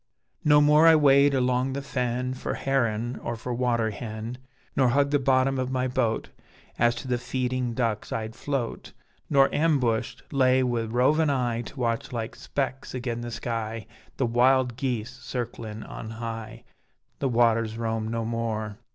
No more I wade along the fen For heron or for water hen, Nor hug the bottom of my boat As to the feeding ducks I'd float; Nor ambushed laay wi' rovin' eye To watch like specks agen the sky The wild geese circlin' on high: The waters roam no more.